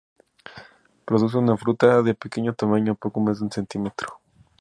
Produce una fruta de pequeño tamaño, poco más de un centímetro.